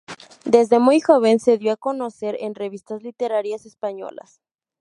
Desde muy joven, se dio a conocer en revistas literarias españolas.